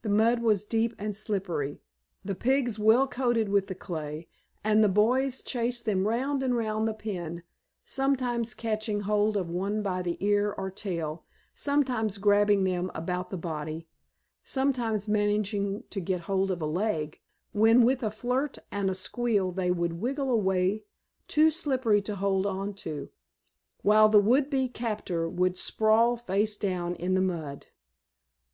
The mud was deep and slippery, the pigs well coated with the clay, and the boys chased them round and round the pen, sometimes catching hold of one by the ear or tail, sometimes grabbing them about the body, sometimes managing to get hold of a leg, when with a flirt and a squeal they would wiggle away, too slippery to hold on to, while the would be captor would sprawl face down in the mud.